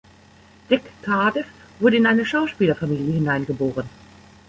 Jack Cardiff wurde in eine Schauspielerfamilie hineingeboren.